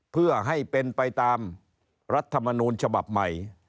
เพื่อให้เป็นไปตามรัฐมนูลฉบับใหม่